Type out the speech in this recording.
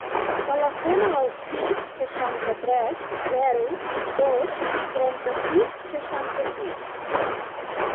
Telefona al sis, seixanta-tres, zero, dos, trenta-sis, seixanta-sis.